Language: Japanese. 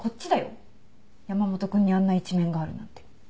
山本君にあんな一面があるなんて。